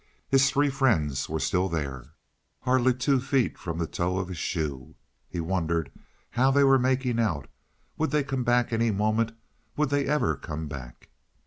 His three friends were still there, hardly two feet from the toe of his shoe. He wondered how they were making out. Would they come back any moment? Would they ever come back?